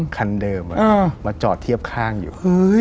คันเดิมมาจอดเทียบข้างอยู่